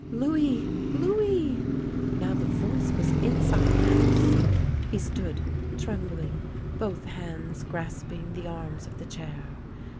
"Louis! Louis!" Now the voice was inside the house. He stood trembling, both hands grasping the arms of the chair.